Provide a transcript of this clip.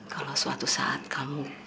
kalau suatu saat kamu